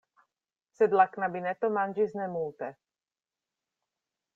Sed la knabineto manĝis ne multe.